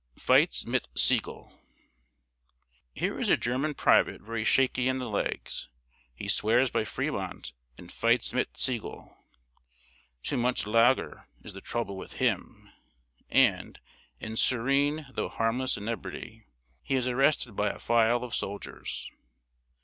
[Sidenote: "FIGHTS MIT SIGEL."] Here is a German private very shaky in the legs; he swears by Fremont and "fights mit Sigel." Too much "lager" is the trouble with him; and, in serene though harmless inebriety, he is arrested by a file of soldiers.